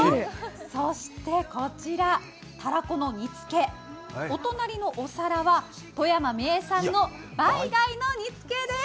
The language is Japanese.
そして、こちらたらこの煮つけ、お隣のお皿は富山名産のバイ貝の煮付けです。